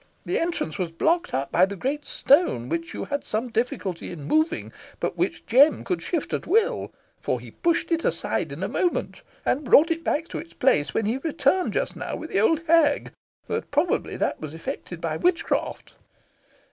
The entrance was blocked up by the great stone which you had some difficulty in moving, but which Jem could shift at will; for he pushed it aside in a moment, and brought it back to its place, when he returned just now with the old hag; but probably that was effected by witchcraft."